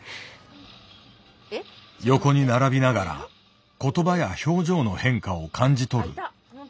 横に並びながら言葉や表情の変化を感じ取る。